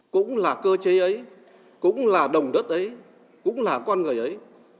cũng là cơ chế ấy cũng là đồng đất ấy cũng là con người ấy